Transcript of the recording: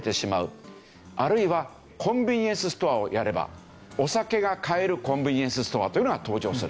あるいはコンビニエンスストアをやればお酒が買えるコンビニエンスストアというのが登場する。